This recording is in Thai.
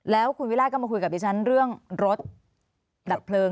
แล้วคุณวิราชก็มาคุยกับดิฉันเรื่องรถดับเพลิง